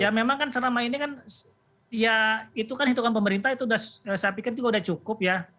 ya memang kan selama ini kan ya itu kan hitungan pemerintah itu saya pikir juga sudah cukup ya